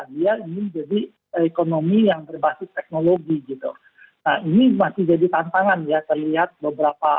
biar menjadi ekonomi yang terbatas teknologi jika ini masih jadi tantangan ya terlihat beberapa